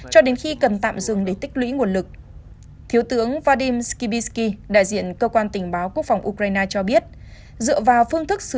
cho đến khi cần tạm dừng để tích hợp